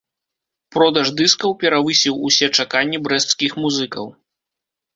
Продаж дыскаў перавысіў усе чаканні брэсцкіх музыкаў.